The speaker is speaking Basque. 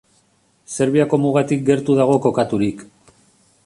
Serbiako mugatik gertu dago kokaturik.